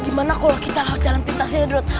gimana kalau kita jalan pintasnya dot